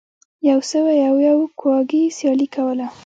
یو سوی او یو کواګې سیالي کوله.